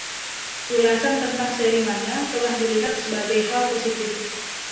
Ulasan tentang seri manga telah dilihat sebagai hal positif.